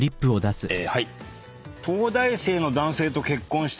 はい。